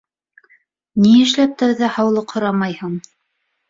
— Ни эшләп тәүҙә һаулыҡ һорамайһың?